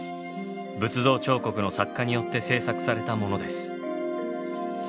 仏像彫刻の作家によって製作されたものです。